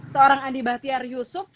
seorang andi bahtiar yusuf